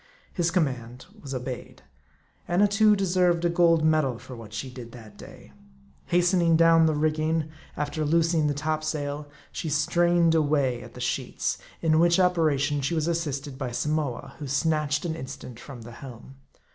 His command was obeyed. Annatoo deserved a gold medal for what she did that day. Hastening down the rigging, after loosing 90 M A R D I. the topsail, she strained away at the sheets ; in which ope ration she was assisted by Samoa, who snatched an instant from the helm.